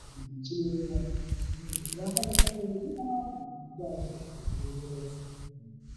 清朝雍正年间筑阿勒楚喀城设县。